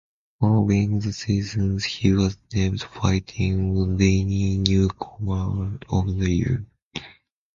Following the season he was named Fighting Illini Newcomer of the Year.